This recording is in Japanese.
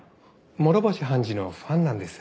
諸星判事のファンなんです。